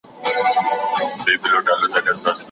هغه وویل چي کمپيوټر پوهنه د معلوماتو سمندر دی.